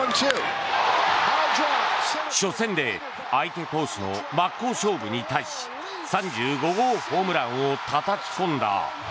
初戦で相手投手の真っ向勝負に対し３５号ホームランをたたき込んだ。